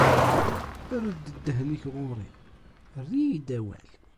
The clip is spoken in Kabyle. Err-d ddehn-ik ɣur-i, err-iyi-d awal!